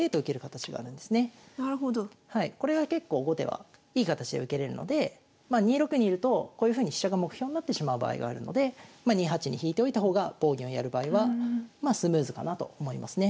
これが結構後手はいい形で受けれるのでまあ２六にいるとこういうふうに飛車が目標になってしまう場合があるのでま２八に引いておいた方が棒銀をやる場合はまあスムーズかなと思いますね。